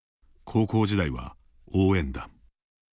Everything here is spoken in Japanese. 高校時代は応援団。